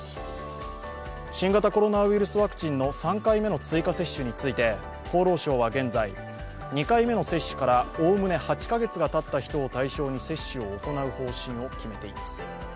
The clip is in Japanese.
新型コロナウイルスワクチンの３回目の追加接種について厚労省は現在、２回目の接種からおおむね８カ月をたった人を対象に接種を行う方針を決めています。